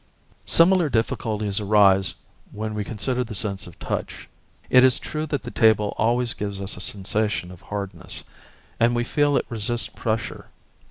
Similar difficulties arise when we consider the sense of touch. It is true that the table always gives us a sensation of hardness, and we feel that it resists pressure.